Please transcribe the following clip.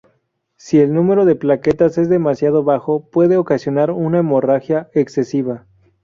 Si el número de plaquetas es demasiado bajo, puede ocasionar una hemorragia excesiva.